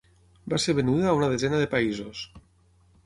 Va ser venuda a una desena de països.